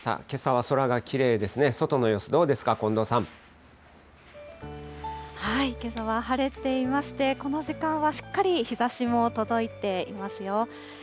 けさは空がきれいですね、外の様子、どうですか、近藤さん。けさは晴れていまして、この時間はしっかり日ざしも届いていますよ。